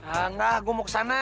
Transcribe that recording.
enggak gue mau kesana